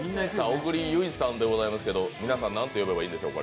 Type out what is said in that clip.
小栗有以さんでございますけど、皆さん、何て呼べばいいんでしょう？